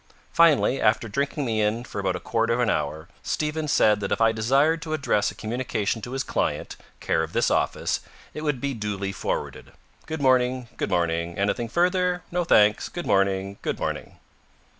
Finally, after drinking me in for about a quarter of an hour, Stevens said that if I desired to address a communication to his client, care of this office, it would be duly forwarded. Good morning. Good morning. Anything further? No, thanks. Good morning. Good morning.